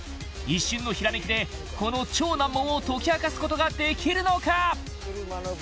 一瞬の閃きでこの超難問を解き明かすことができるのか？